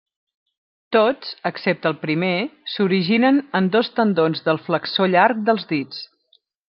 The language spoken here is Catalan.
Tots, excepte el primer, s'originen en dos tendons del flexor llarg dels dits.